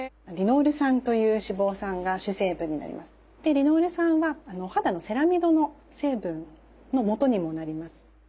リノール酸は肌のセラミドの成分のもとにもなります。